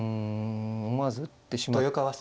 思わず打ってしまったけども。